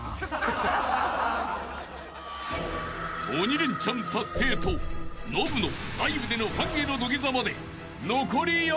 ［鬼レンチャン達成とノブのライブでのファンへの土下座まで残り４曲］